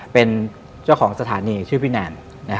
เป็นเจ้าของสถานีชื่อพี่แนน